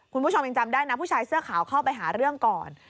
คุณผู้ชมยังจำได้นะผู้ชายเสื้อขาวเข้าไปหาเรื่องก่อน